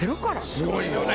すごいよね。